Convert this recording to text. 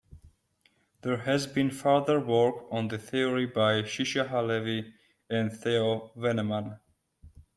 There has been further work on the theory by Shisha-Halevy and Theo Vennemann.